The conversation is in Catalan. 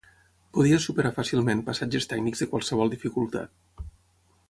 Podia superar fàcilment passatges tècnics de qualsevol dificultat.